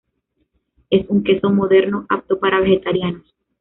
Es un queso moderno apto para vegetarianos.